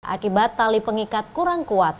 akibat tali pengikat kurang kuat